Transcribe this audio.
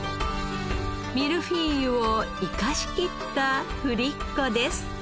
ミルフィーユを生かしきったフリッコです。